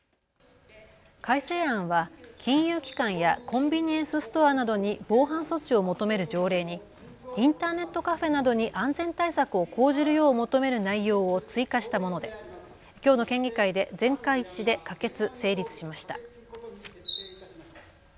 改正案は金融機関やコンビニエンスストアなどに防犯措置を求める条例にインターネットカフェなどに安全対策を講じるよう求める内容を追加したものできょうの県議会で全会一致で可決・成立しました。